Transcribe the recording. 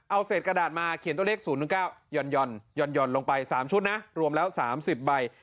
เอาเศษกระดาษมาเขียนตัวเลข๐๙ห่อนลงไป๓ชุดนะรวมแล้ว๓๐ใบ